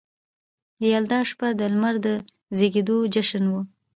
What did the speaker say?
د یلدا شپه د لمر د زیږیدو جشن و